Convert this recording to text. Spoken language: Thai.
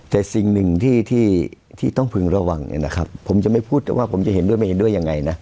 แต่สิ่งหนึ่งที่ต้องพึงระวังเนี่ยนะครับผมจะไม่พูดแต่ว่าผมจะเห็นด้วยไม่เห็นด้วยยังไงนะ